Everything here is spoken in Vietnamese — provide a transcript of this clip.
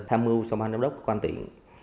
tham mưu cho ban giám đốc quan tỉnh